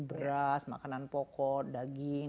beras makanan pokok daging